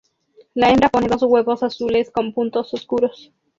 La hembra pone dos huevos azules con puntos oscuros.